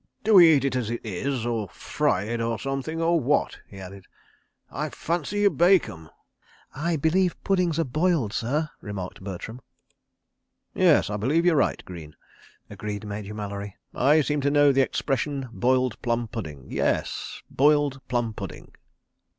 "Do we eat it as it is—or fry it, or something, or what?" he added. "I fancy you bake 'em. ..." "I believe puddings are boiled, sir," remarked Bertram. "Yes—I b'lieve you're right, Greene," agreed Major Mallery. ... "I seem to know the expression, 'boiled plum pudding.' ... Yes—boiled plum pudding.